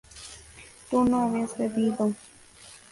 tú no habías bebido